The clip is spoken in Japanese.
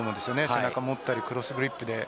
背中を持ったりクロスグリップで。